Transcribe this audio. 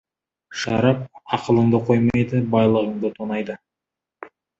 Шарап ақылыңды қоймайды, байлығыңды тонайды.